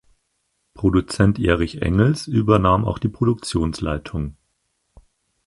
Produzent Erich Engels übernahm auch die Produktionsleitung.